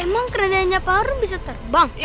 emang kerendahnya paru bisa terbang